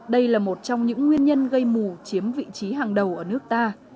đây là một trong những nguyên nhân gây mù chiếm vị trí hàng đầu ở nước ta